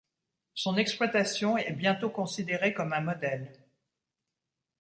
Son exploitation est bientôt considérée comme un modèle.